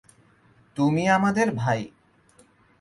তুমি আমাদের ভাই!